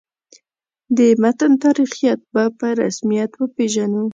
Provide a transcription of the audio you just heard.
د متن تاریخیت به په رسمیت وپېژنو.